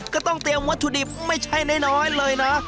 ก็ต้องเตรียมวัตถุดิบไม่ใช่น้อยเลยนะ